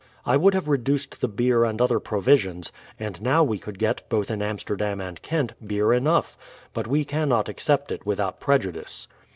I would have reduced the beer and other provisions ; and now we could get, both in Am sterdam and Kent, beer enough ; but we cannot accept it without prejudice.